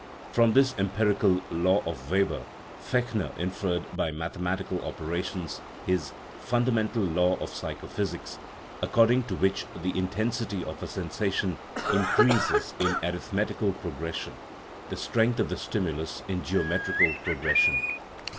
From this empirical " law of Weber " Fechner inferred; by mathematical operations, his " fundamental law of psycho physics," according to which the intensity ol a sensation increases in arithmetical progression, the strength of the stimulus in geometrical progression.